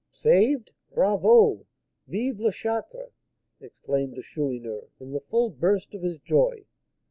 "Saved? Bravo! Vive la Charte!" exclaimed the Chourineur, in the full burst of his joy.